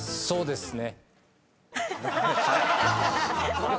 ［そうです。